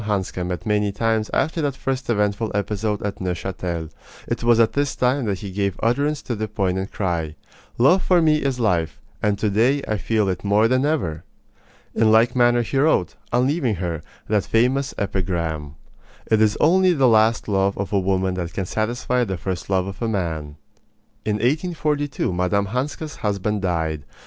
Hanska met many times after that first eventful episode at Neuchatel. It was at this time that he gave utterance to the poignant cry: Love for me is life, and to day I feel it more than ever! In like manner he wrote, on leaving her, that famous epigram: It is only the last love of a woman that can satisfy the first love of a man. In 1842 Mme. Hanska's husband died.